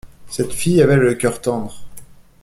Cette fille avait le cœur tendre.